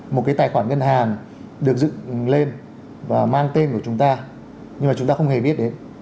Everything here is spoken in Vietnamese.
một cái tài khoản ngân hàng được dựng lên và mang tên của chúng ta nhưng mà chúng ta không hề biết đến